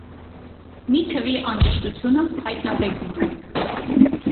Մի թվի անճշտությունը հայտնաբերվում է։